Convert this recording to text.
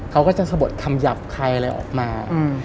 เขาก็จะสะบดคำหยาบคายอะไรออกมา